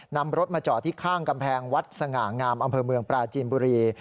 นำรถมาจอดที่ข้างกำแพงวัดสง่างามอำเภอเมืองปราจีนบุรี